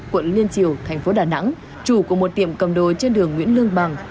quận liên triều thành phố đà nẵng chủ của một tiệm cầm đồ trên đường nguyễn lương bằng